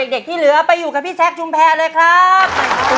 เด็กที่เหลือไปอยู่กับพี่แซคชุมแพรเลยครับ